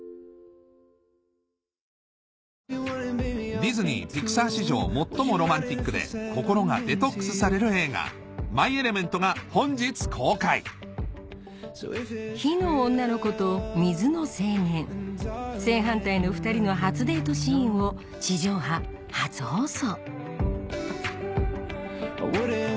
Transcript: ディズニー＆ピクサー史上最もロマンチックで心がデトックスされる映画『マイ・エレメント』が本日公開火の女の子と水の青年正反対の２人の初デートシーンを地上波初放送